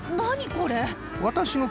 これ。